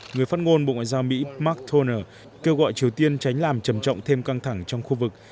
người phát ngôn bộ ngoại giao mỹ mark toner kêu gọi triều tiên tránh làm trầm trọng thêm căng thẳng trong khu vực